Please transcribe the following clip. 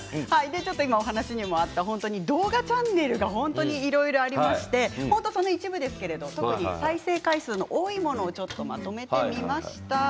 今、お話にもあった動画チャンネルが本当にいろいろありましてその一部ですけれども特に再生回数の多いものをまとめてみました。